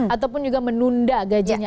ataupun juga menunda gajinya